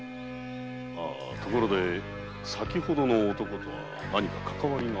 ところで先ほどの男とは何か関係が？